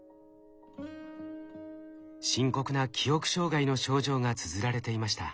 深刻な記憶障害の症状がつづられていました。